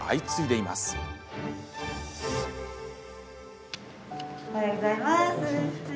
おはようございます。